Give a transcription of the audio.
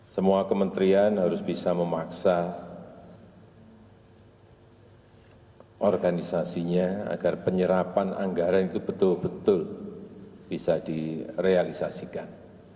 semua kementerian harus bisa memaksa organisasinya agar penyerapan anggaran itu betul betul bisa direalisasikan